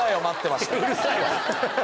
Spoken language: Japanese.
うるさいわ！